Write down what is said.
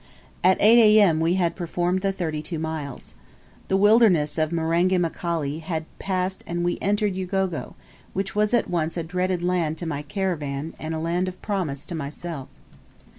At 8 A.M. we had performed the thirty two miles. The wilderness of Marenga Mkali had been passed and we had entered Ugogo, which was at once a dreaded land to my caravan, and a Land of Promise to myself.